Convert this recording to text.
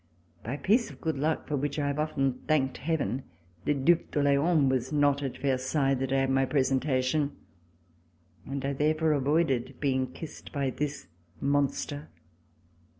By a piece of good luck, for which I have often thanked Heaven, the Due d'Orlcans was not at Versailles the day of my presen tation, and I therefore avoided being kissed by this monster.